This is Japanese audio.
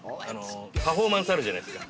◆パフォーマンスあるじゃないですか。